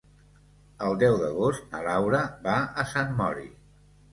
El deu d'agost na Laura va a Sant Mori.